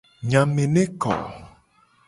Enya me ne ko.